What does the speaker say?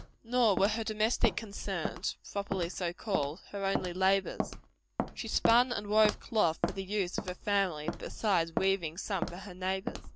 Nor were her domestic concerns, properly so called, her only labors. She spun and wove cloth for the use of her family, besides weaving for some of her neighbors.